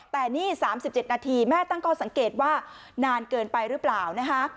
แต่นี่๓๗นาทีแม่ตั้งข้อสังเกตว่านานเกินไปหรือเปล่านะคะ